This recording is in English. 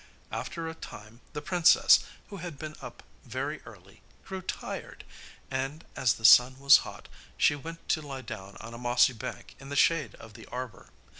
After a time the princess, who had been up very early, grew tired, and as the sun was hot she went to lie down on a mossy bank in the shade of the arbour.